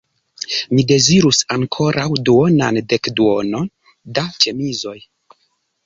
Mi dezirus ankoraŭ duonan dekduon da ĉemizoj.